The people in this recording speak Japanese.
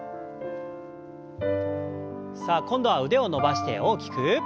さあ今度は腕を伸ばして大きく。